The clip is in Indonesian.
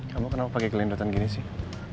kamu kenapa pakai gelendotan gini sih